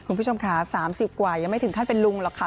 คุณผู้ชมค่ะ๓๐กว่ายังไม่ถึงขั้นเป็นลุงหรอกค่ะ